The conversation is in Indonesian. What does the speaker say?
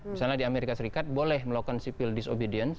misalnya di amerika serikat boleh melakukan sipil disobedience